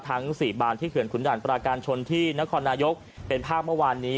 ทั้งสี่บานที่เขื่อนขุนด่านปราการชนที่นครนายกเป็นภาพเมื่อวานนี้